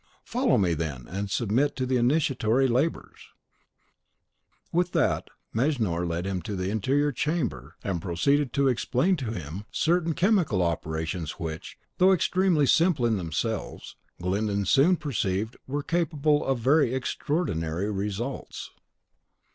"Follow me, then, and submit to the initiatory labours." With that, Mejnour led him into the interior chamber, and proceeded to explain to him certain chemical operations which, though extremely simple in themselves, Glyndon soon perceived were capable of very extraordinary results.